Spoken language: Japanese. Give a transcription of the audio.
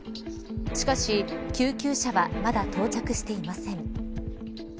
しかし救急車はまだ到着していません。